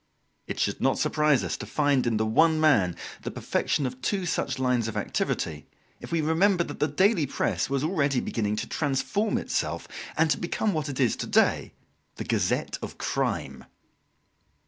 It should not surprise us to find in the one man the perfection of two such lines of activity if we remember that the daily press was already beginning to transform itself and to become what it is to day the gazette of crime.